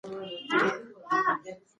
زیات ویټامین هم ستونزه نه حلوي.